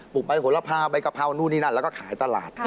ใบโหระพาใบกะเพรานู่นนี่นั่นแล้วก็ขายตลาด